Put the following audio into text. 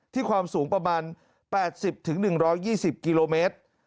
ความสูงประมาณ๘๐๑๒๐กิโลเมตร